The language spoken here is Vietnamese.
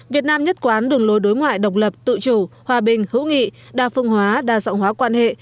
việt nam nhất quán đường lối đối ngoại độc lập tự chủ hòa bình hữu nghị đa phương hóa đa dọng hóa quan hệ